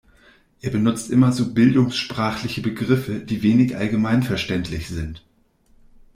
Er benutzt immer so bildungssprachliche Begriffe, die wenig allgemeinverständlich sind.